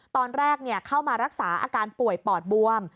ตอนแรกเข้ามารักษาอาการป่วยปอดบวม